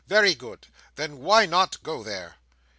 Very good. Then why not go there?"